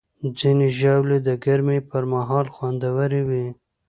ځینې ژاولې د ګرمۍ پر مهال خوندورې وي.